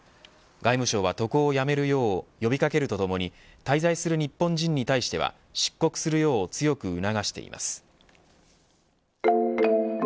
外務省は渡航をやめるよう呼び掛けるとともに滞在する日本人に対しては出国するよう強く促しています。